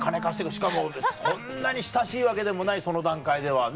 しかもそんなに親しいわけでもないその段階ではね。